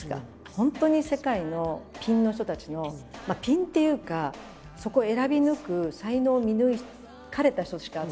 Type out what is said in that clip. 本当に世界のピンの人たちのまあピンっていうかそこを選び抜く才能を見抜かれた人しか集まらないというか。